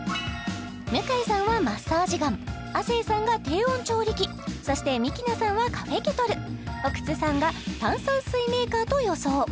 向井さんはマッサージガン亜生さんが低温調理器そしてｍｉｋｉｎａさんはカフェケトル奥津さんが炭酸水メーカーと予想